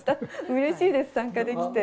嬉しいです参加できて。